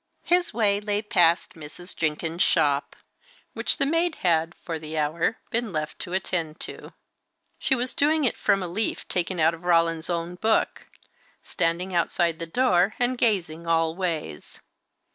His way lay past Mrs. Jenkins's shop, which the maid had, for the hour, been left to attend to. She was doing it from a leaf taken out of Roland's own book standing outside the door, and gazing all ways.